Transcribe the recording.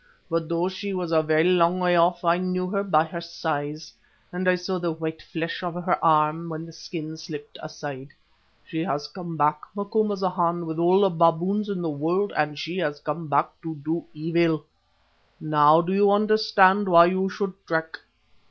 But though she was a long way off, I knew her by her size, and I saw the white flesh of her arm when the skins slipped aside. She has come back, Macumazahn, with all the baboons in the world, and she has come back to do evil. Now do you understand why you should trek?"